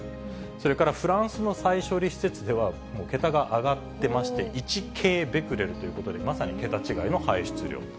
それからフランスの再処理施設では、もう桁が上がってまして、１京ベクレルということで、まさに桁違いの排出量。